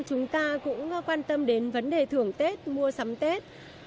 chúng ta cũng quan tâm đến vấn đề thưởng tết mua sắm tết